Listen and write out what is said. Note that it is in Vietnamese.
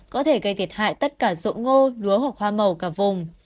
có thể gây thiệt hại tất cả ruộng ngô lúa hoặc hoa màu cả vùng